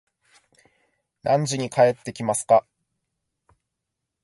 何時に帰ってきますか